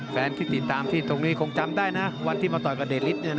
แฟนที่ติดตามที่ตรงนี้คงจำได้นะวันที่มาต่อยกับเดชฤทธิ์